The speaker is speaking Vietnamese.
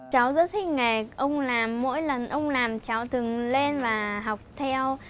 cháu rất thích nghề ông làm mỗi lần ông làm cháu từng lên và học theo